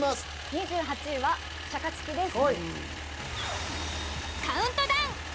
２８位はシャカチキです。